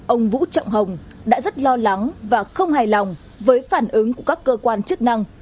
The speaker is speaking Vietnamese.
ông vũ trọng hồng đã rất lo lắng và không hài lòng với phản ứng của các cơ quan chức năng